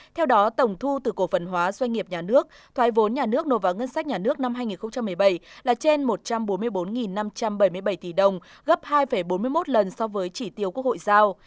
theo đó tổng thu từ cổ phần hóa doanh nghiệp nhà nước thoái vốn nhà nước nộp vào ngân sách nhà nước năm hai nghìn một mươi bảy là trên một trăm bốn mươi bốn năm trăm bảy mươi bảy tỷ đồng gấp hai bốn mươi một lần so với chỉ tiêu quốc hội giao